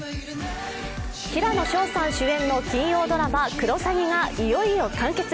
平野紫耀さん主演の金曜ドラマ「クロサギ」がいよいよ完結。